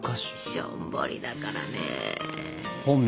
しょんぼりだから。